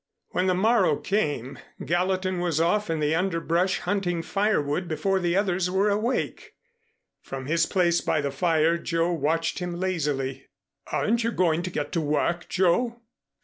When the morrow came, Gallatin was off in the underbrush hunting firewood before the others were awake. From his place by the fire Joe watched him lazily. "Aren't you going to get to work, Joe?"